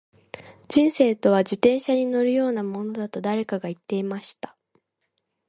•人生とは、自転車に乗るようなものだと誰かが言っていました。